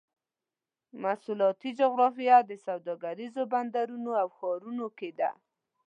مواصلاتي جغرافیه د سوداګریزو بندرونو او ښارونو کې ده.